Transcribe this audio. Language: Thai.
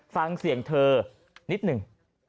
ฟังเสียงเธอนิดหนึ่ง